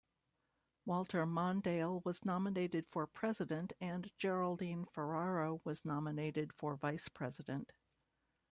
Walter Mondale was nominated for President and Geraldine Ferraro was nominated for Vice President.